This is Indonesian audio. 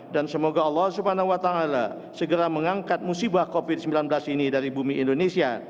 dan semoga allah swt segera mengangkat musibah covid sembilan belas ini dari bumi indonesia